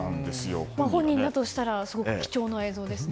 本人だとしたらすごく貴重な映像ですね。